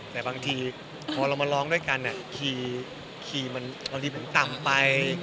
แต่บางทีพอเรามาร้องด้วยกันเนี่ยคีย์มันริมต่ำไป